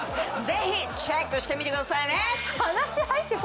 ぜひチェックしてみてくださいね！